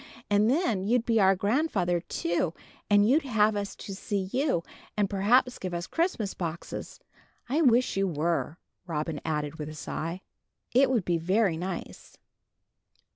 And then you'd be our grandfather, too, and you'd have us to see you, and perhaps give us Christmas boxes. I wish you were," Robin added with a sigh. "It would be very nice."